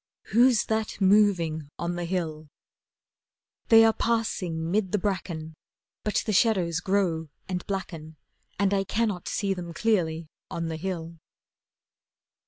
Who's that moving on the hill? They are passing 'mid the bracken, But the shadows grow and blacken And I cannot see them clearly on the hill.